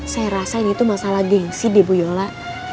saya rasa ini tuh masalah gengsi deh bu yola